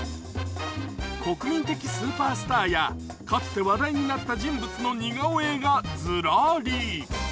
国民的スーパースターやかつて話題になった人物の似顔絵がずらり。